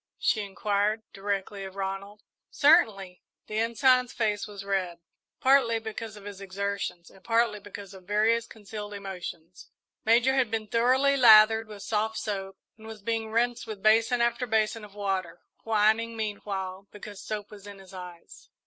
she inquired, directly, of Ronald. "Certainly." The Ensign's face was red, partly because of his exertions and partly because of various concealed emotions. Major had been thoroughly lathered with soft soap, and was being rinsed with basin after basin of water, whining, meanwhile, because soap was in his eyes.